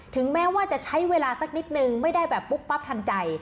ถึงแม้ว่าจะใช้เวลาสักนิดนึงไม่ได้แบบปุ๊บปั๊บทันใจ